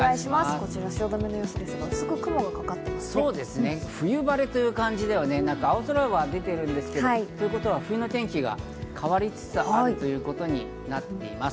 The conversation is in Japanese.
こちら汐留の様子ですが、薄く雲冬晴れという感じではなく、青空は出てるんですけど、冬の天気が変わりつつあるということになっています。